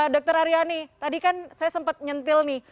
dr aryani tadi kan saya sempat nyentil nih